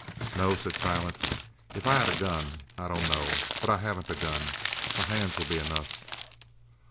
"No," said Silent. "If I had a gun I don't know but I haven't a gun. My hands'll be enough!"